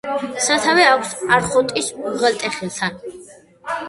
სათავე აქვს არხოტის უღელტეხილთან.